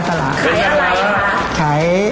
ตอนนี้